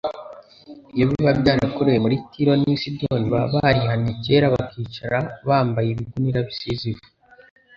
iyo biba byarakorewe muri Tiro n'i Sidoni baba barihannye kera bakicara bambaye ibigunira bisize ivu.